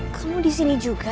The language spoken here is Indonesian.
kamu disini juga